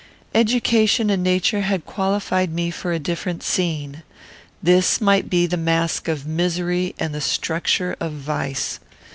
Education and nature had qualified me for a different scene. This might be the mask of misery and the structure of vice.